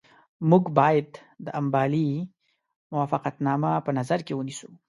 موږ باید د امبالې موافقتنامه په نظر کې ونیسو.